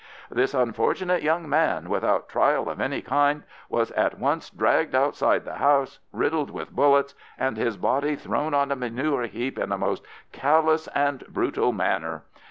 "This unfortunate young man, without trial of any kind, was at once dragged outside the house, riddled with bullets, and his body thrown on a manure heap in a most callous and brutal manner.